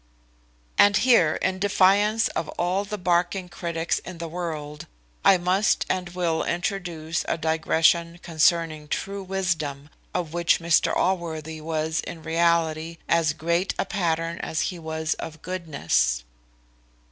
And here, in defiance of all the barking critics in the world, I must and will introduce a digression concerning true wisdom, of which Mr Allworthy was in reality as great a pattern as he was of goodness.